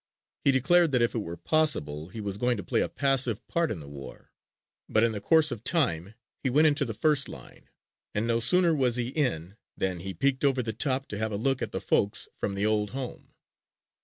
He declared that if it were possible he was going to play a passive part in the war. But in the course of time he went into the first line and no sooner was he in than he peeked over the top to have a look at the folks from the old home.